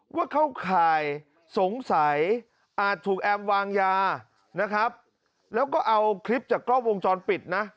ว่าเข้าข่ายสงสัยอาจถูกแอมวางยานะครับแล้วก็เอาคลิปจากกล้องวงจรปิดนะ